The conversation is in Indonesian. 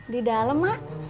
di dalam mak